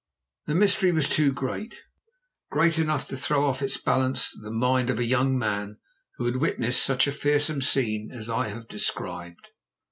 The mystery was too great—great enough to throw off its balance the mind of a young man who had witnessed such a fearsome scene as I have described.